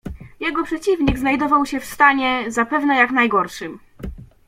"Jego przeciwnik znajdował się w stanie, zapewne jak najgorszym."